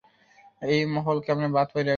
এই মহল, কেমনে বাদ পইরা গেলো।